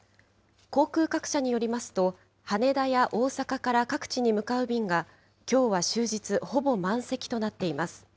航空各社によりますと、羽田や大阪から各地に向かう便が、きょうは終日、ほぼ満席となっています。